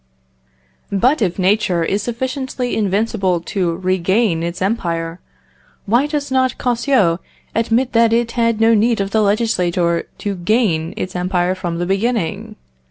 But if Nature is sufficiently invincible to regain its empire, why does not Kousseau admit that it had no need of the legislator to gain its empire from the beginning?